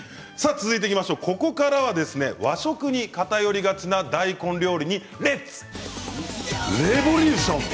ここからは和食に偏りがちな大根料理にレッツレボリューション！